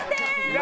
何？